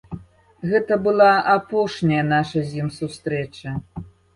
Гэта была апошняя наша з ім сустрэча.